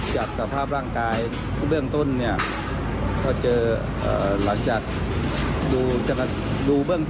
จักรภาพร่างกายผมเบื้องต้นเนี่ยเพราะเจอหลังจากเดอดเอส